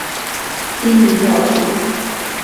印度教属。